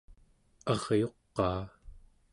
aryuqaa